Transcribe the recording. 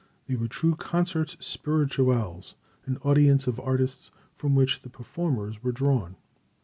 They were true Concerts Spirituels, an audience of artists from which the performers were drawn.